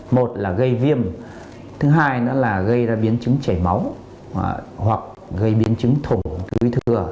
một là gây viêm thứ hai nữa là gây ra biến chứng chảy máu hoặc gây biến chứng thủng túi thừa